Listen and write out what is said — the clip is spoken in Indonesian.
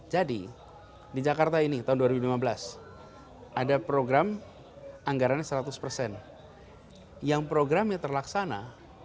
jadi di jakarta ini tahun dua ribu lima belas ada program anggarannya seratus persen yang programnya terlaksana